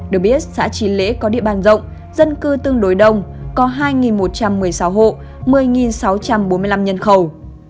được biết xã trí lễ có địa bàn rộng dân cư tương đối đông có hai một trăm một mươi sáu hộ một mươi sáu trăm bốn mươi năm nhân khẩu